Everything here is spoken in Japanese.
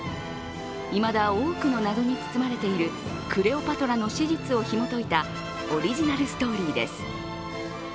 いまだ多くの謎に包まれているクレオパトラの史実をひもといたオリジナルストーリーです。